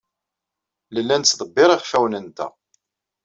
Nella nettḍebbir iɣfawen-nteɣ.